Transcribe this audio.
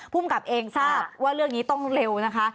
ภูมิกับเองทราบว่าเรื่องนี้ต้องเร็วนะคะ